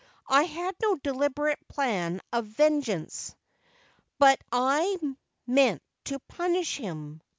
I had no deliberate plan of vengeance, but I meant to punish him.